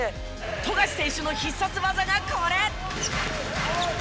富樫選手の必殺技がこれ。